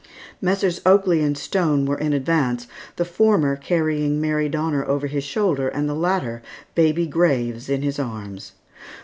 Messrs. Oakley and Stone were in advance, the former carrying Mary Donner over his shoulder; and the latter baby Graves in his arms.